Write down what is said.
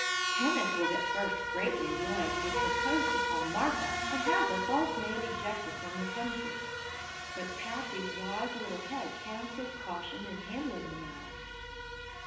Kenneth was at first greatly annoyed, and proposed to call Martha and have the false maid ejected from the premises; but Patsy's wise little head counselled caution in handling the matter.